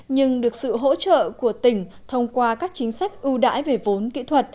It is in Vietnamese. nhưng được sự hỗ trợ của tỉnh thông qua các chính sách ưu đãi về vốn kỹ thuật